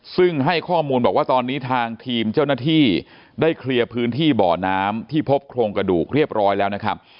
ซึ่งให้ข้อมูลบอกว่าตอนนี้ทางทีมเจ้าหน้าที่ได้เคลียร์พื้นที่บ่อน้ำที่พบโครงกระดูกเรียบร้อยแล้วนะครับ